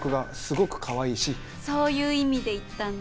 そういう意味で言ったんだ？